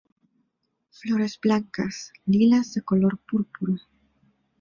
Flores blancas, lilas de color púrpura.